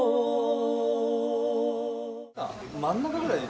真ん中くらいで。